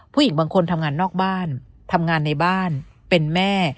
ผู้หญิงบางคนทำงานนอกบ้านทำงานในบ้านเป็นแม่